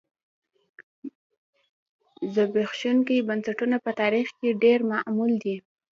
زبېښونکي بنسټونه په تاریخ کې ډېر معمول دي.